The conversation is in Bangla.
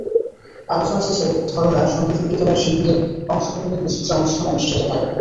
আলোচনা শেষে ধরলা সংগীত নিকেতনের শিল্পীদের অংশগ্রহণে বিচিত্রা অনুষ্ঠান অনুষ্ঠিত হয়।